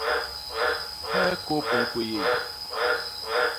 Hee kôp i ñkwéyéé.